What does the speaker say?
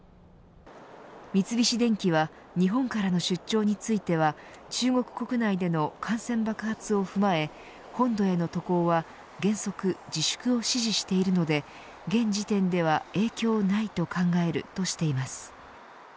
三菱電機は日本からの出張については中国国内での感染爆発を踏まえ本土への渡航は原則自粛を支持しているので現時点では影響ないと考えるとしています。